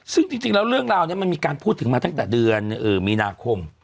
ซึ่งจริงแล้วเรื่องราวนี้มันมีการพูดถึงมาตั้งแต่เดือนมีนาคม